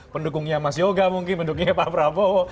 pendukungnya mas yoga mungkin pendukungnya pak prabowo